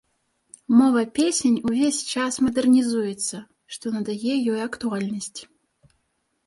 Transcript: Мова песень увесь час мадэрнізуецца, што надае ёй актуальнасць.